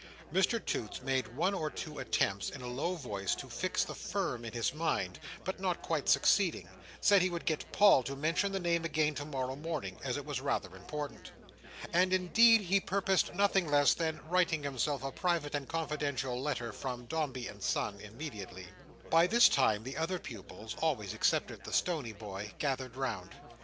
Mr Toots made one or two attempts, in a low voice, to fix the Firm in his mind; but not quite succeeding, said he would get Paul to mention the name again to morrow morning, as it was rather important. And indeed he purposed nothing less than writing himself a private and confidential letter from Dombey and Son immediately. By this time the other pupils (always excepting the stony boy) gathered round.